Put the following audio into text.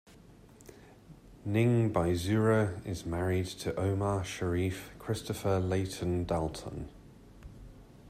Ning Baizura is married to Omar Sharif Christopher Layton Dalton.